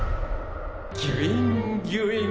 ギュインギュイン。